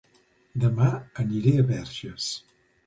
Dema aniré a Verges